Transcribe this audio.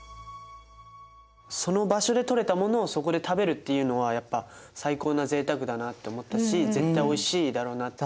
その場所でとれたものをそこで食べるっていうのはやっぱ最高なぜいたくだなと思ったし絶対おいしいだろうなって。